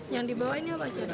yang dibawa ini apa